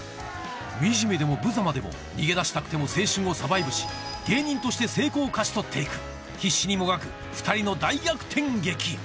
惨めでもぶざまでも逃げ出したくても青春をサバイブし芸人として成功を勝ち取っていく必死にもがく２人の大逆転劇